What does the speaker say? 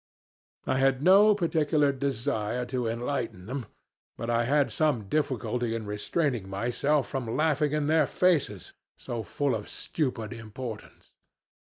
I had no particular desire to enlighten them, but I had some difficulty in restraining myself from laughing in their faces, so full of stupid importance.